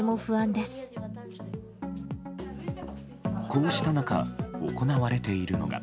こうした中行われているのが。